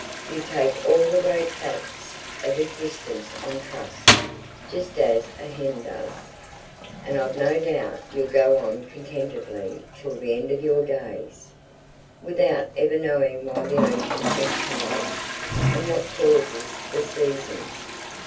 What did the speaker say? You take all the great facts of existence on trust just as a hen does and I've no doubt you'll go on contentedly till the end of your days, without ever knowing why the ocean has tides, and what causes the seasons.